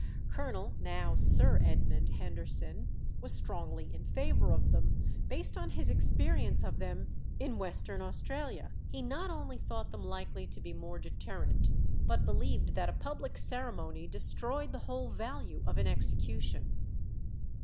Colonel (now Sir Edmund) Henderson was strongly in favour of them, based on his experience of them in Western Australia. He not only thought them likely to be more deterrent, but believed that a public ceremony destroyed the whole value of an execution.